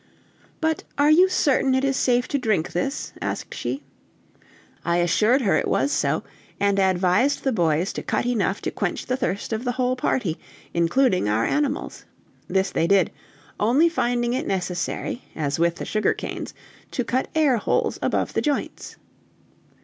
"But are you certain it is safe to drink this?" asked she. I assured her it was so, and advised the boys to cut enough to quench the thirst of the whole party, including our animals. This they did, only finding it necessary, as with the sugar canes, to cut air holes above the joints.